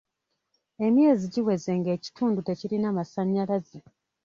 Emyezi giweze ng'ekitundu tekirina masannyalaze.